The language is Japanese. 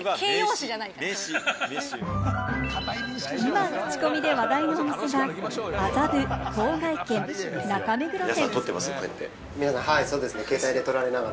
今、クチコミで話題のお店が、麻布笄軒中目黒店。